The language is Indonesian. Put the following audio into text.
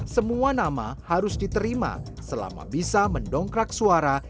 semua nama harus diterima selama bisa mendongkrak suara